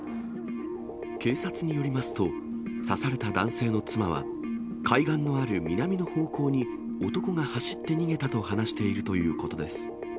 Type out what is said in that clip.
警察によりますと、刺された男性の妻は、海岸のある南の方向に男が走って逃げたと話しているということです。